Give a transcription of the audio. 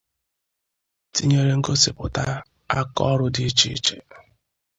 tinyere ngosipụta aka ọrụ dị iche iche